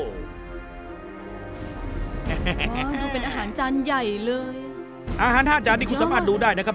โอ้โหดูเป็นอาหารจานใหญ่เลยสุดยอดนะครับอาหาร๕จานนี่คุณสามารถดูได้นะครับ